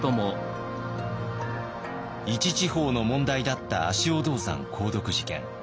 一地方の問題だった足尾銅山鉱毒事件。